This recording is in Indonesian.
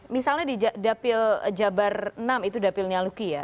misalnya di dapil jabar enam itu dapil nyaluki ya